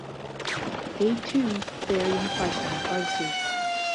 They too vary in pricing and privacy.